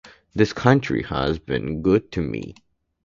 This country has been good to me.